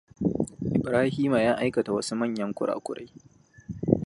Ibrahima ya aikata wasu manyan kurakurai.